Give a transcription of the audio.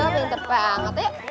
pintar banget ya